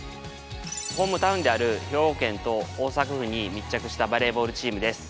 ホームタウンである兵庫県と大阪府に密着したバレーボールチームです